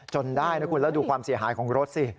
ได้นะคุณแล้วดูความเสียหายของรถสิ